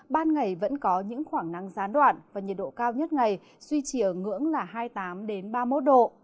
ban ngày vẫn có những khoảng nắng gián đoạn và nhiệt độ cao nhất ngày duy trì ở ngưỡng là hai mươi tám ba mươi một độ